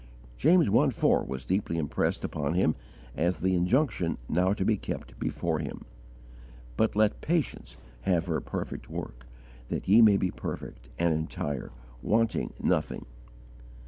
James i. 4 was deeply impressed upon him as the injunction now to be kept before him: "But let patience have her perfect work, that ye may be perfect, and entire, wanting nothing."